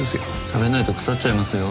食べないと腐っちゃいますよ。